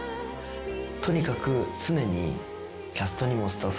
とにかく常に。